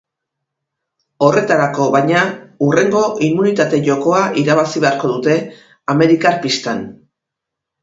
Horretarako, baina, hurrengo immunitate-jokoa irabazi beharko dute, amerikar pistan.